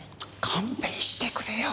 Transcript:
勘弁してくれよ。